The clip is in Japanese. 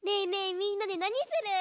みんなでなにする？